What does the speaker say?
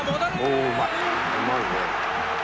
うまいね。